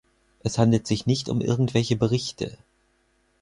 Es handelt sich nicht um irgendwelche Berichte.